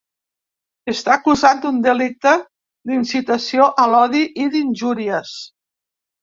Està acusat d’un delicte d’incitació a l’odi i d’injúries.